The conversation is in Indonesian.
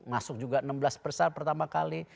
masuk juga enam belas persen pertama kali